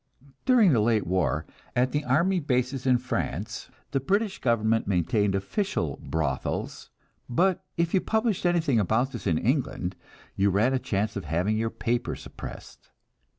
During the late war, at the army bases in France, the British government maintained official brothels; but if you published anything about this in England, you ran a chance of having your paper suppressed.